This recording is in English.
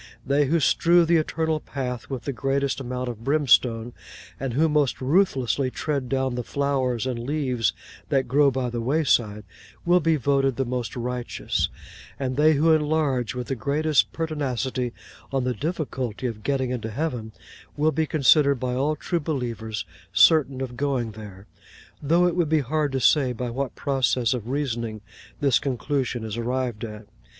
They who strew the Eternal Path with the greatest amount of brimstone, and who most ruthlessly tread down the flowers and leaves that grow by the wayside, will be voted the most righteous; and they who enlarge with the greatest pertinacity on the difficulty of getting into heaven, will be considered by all true believers certain of going there: though it would be hard to say by what process of reasoning this conclusion is arrived at.